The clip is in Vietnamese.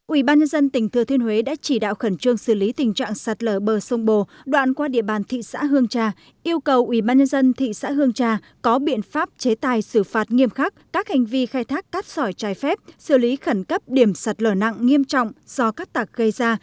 ủy ban nhân dân tỉnh thừa thiên huế đã chỉ đạo khẩn trương xử lý tình trạng sạt lở bờ sông bồ đoạn qua địa bàn thị xã hương trà yêu cầu ubnd thị xã hương trà có biện pháp chế tài xử phạt nghiêm khắc các hành vi khai thác cát sỏi trái phép xử lý khẩn cấp điểm sạt lở nặng nghiêm trọng do cát tặc gây ra